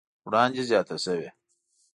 وړاندې زياته شوې